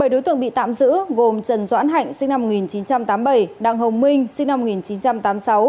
bảy đối tượng bị tạm giữ gồm trần doãn hạnh sinh năm một nghìn chín trăm tám mươi bảy đặng hồng minh sinh năm một nghìn chín trăm tám mươi sáu